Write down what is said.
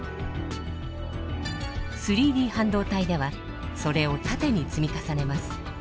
３Ｄ半導体ではそれを縦に積み重ねます。